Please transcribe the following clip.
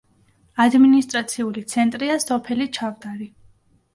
ადმინისტრაციული ცენტრია სოფელი ჩავდარი.